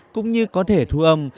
cũng như có thể thu âm